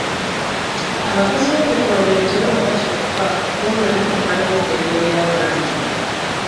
Abakozi b'ebikolobero tebabba kyokka wabula nokumalawo eddembe ly'abantu.